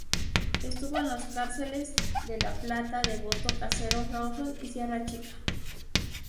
Estuvo en las cárceles de La Plata, Devoto, Caseros, Rawson y Sierra Chica.